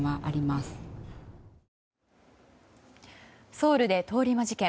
ソウルで通り魔事件。